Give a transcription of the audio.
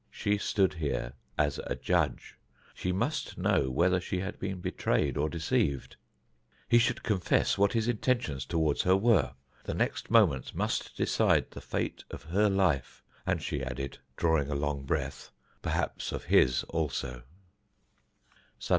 She stood here as a judge. She must know whether she had been betrayed or deceived. He should confess what his intentions toward her were. The next moments must decide the fate of her life, and she added, drawing a long breath, perhaps of his also.